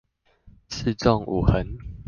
四縱五橫